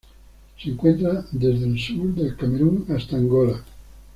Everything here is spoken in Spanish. Se encuentra desde el sur del Camerún hasta Angola.